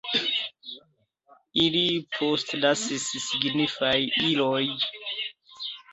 Ili postlasis signifajn ilojn.